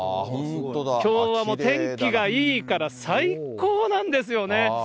きょうはもう天気がいいから、最高なんですよね。